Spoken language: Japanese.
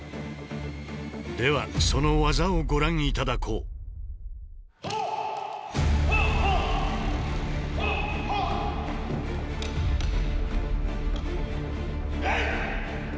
ではその技をご覧頂こうえい！